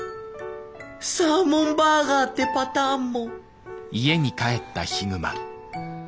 サーモンバーガーってパターンも。